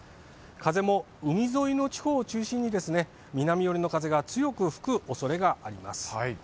風も海沿いの地方を中心に、南寄りの風が強く吹くおそれがあります。